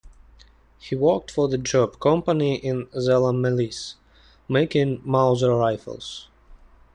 He worked for the Jopp company in Zella-Mehlis, making Mauser rifles.